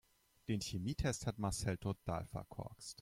Den Chemietest hat Marcel total verkorkst.